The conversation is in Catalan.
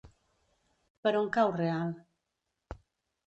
Per on cau Real?